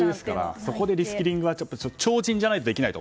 そこでリスキリングというのは超人じゃないとできない。